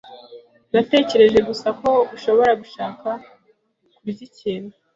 Natekereje gusa ko ushobora gushaka kurya ikintu.